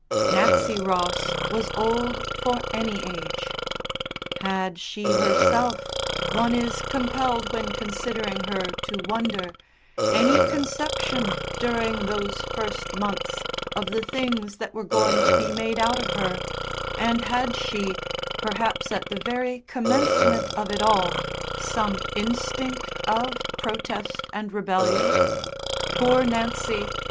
Nancy Ross was old for any age. Had she herself, one is compelled when considering her to wonder, any conception during those first months of the things that were going to be made out of her, and had she, perhaps at the very commencement of it all, some instinct of protest and rebellion? Poor Nancy!